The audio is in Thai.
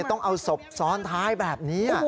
ต้องเอาศพซ้อนท้ายแบบนี้